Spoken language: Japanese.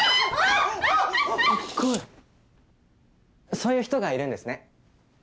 そういう人がいるんですね。